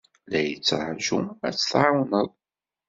La yettṛaju ad t-tɛawneḍ.